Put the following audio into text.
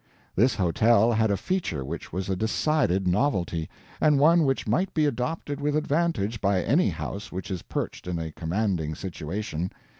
This hotel had a feature which was a decided novelty, and one which might be adopted with advantage by any house which is perched in a commanding situation.